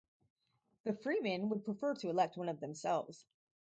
The freemen would prefer to elect one of themselves.